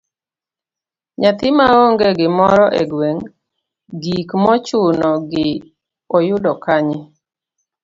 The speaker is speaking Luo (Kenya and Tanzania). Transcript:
Nyathi maonge gimoro e gweng, gik mochuno gi oyudo kanye?